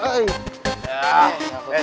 eh turun dulu